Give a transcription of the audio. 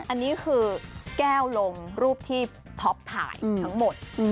อันนี้คือแก้วลงรูปที่ท็อปถ่ายทั้งหมด